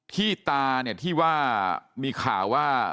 ที่ตาที่มีข่าวว่า